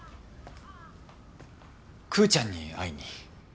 クーちゃんに会いに。